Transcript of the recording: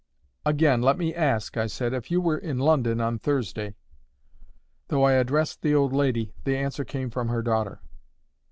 "Again let me ask," I said, "if you were in London on Thursday." Though I addressed the old lady, the answer came from her daughter.